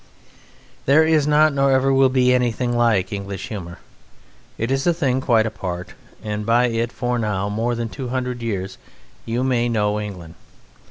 There is not nor ever will be anything like English humour. It is a thing quite apart, and by it for now more than two hundred years you may know England.